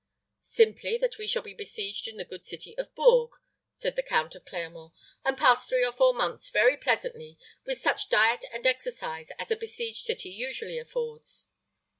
"Simply that we shall be besieged in the good city of Bourges," said the Count of Clermont, "and pass three or four months very pleasantly, with such diet and exercise as a besieged city usually affords."